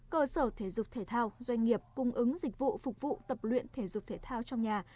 cơ sở thể dục thể thao doanh nghiệp cung ứng dịch vụ phục vụ tập luyện thể dục thể thao trong nhà